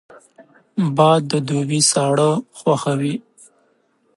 باد د دوبي ساړه خوښوي